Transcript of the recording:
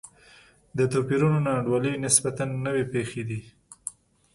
د توپیرونو نا انډولي نسبتا نوې پېښې دي.